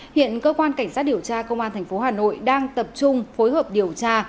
hiện cơ quan cảnh sát điều tra công an tp hà nội đang tập trung phối hợp điều tra